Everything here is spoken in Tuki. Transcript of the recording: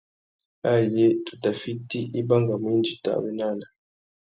Ayé tu tà fiti, i bangamú indi tu awénana.